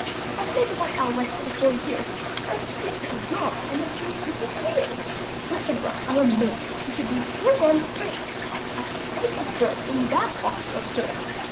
I've made the white owl my study for years, And to see such a job almost moves me to tears! Mr. Brown, I'm amazed You should be so gone crazed As to put up a bird In that posture absurd!